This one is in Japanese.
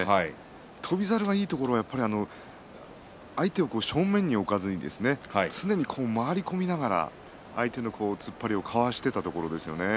翔猿のいいところはやっぱり相手を正面に置かずに常に回り込みながら相手の突っ張りをかわしていたところですね。